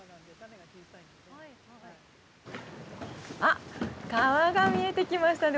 あっ川が見えてきましたね。